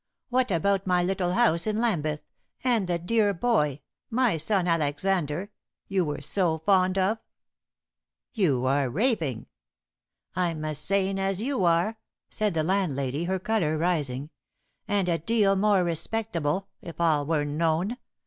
What about my little house in Lambeth, and the dear boy my son Alexander you were so fond of?" "You are raving." "I'm as sane as you are," said the landlady, her color rising, "and a deal more respectable, if all were known.